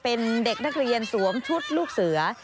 เป็นเด็กนักเรียนสวมชุดลูกเสือ